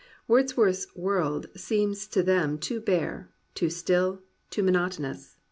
Wordsworth's world seems to them too bare, too still, too monotonous.